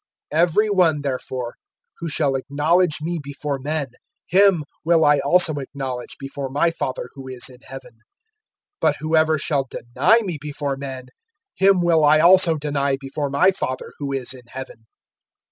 (32)Every one, therefore, who shall acknowledge me before men, him will I also acknowledge before my Father who is in heaven. (33)But whoever shall deny me before men, him will I also deny before my Father who is in heaven.